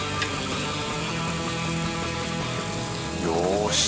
よし！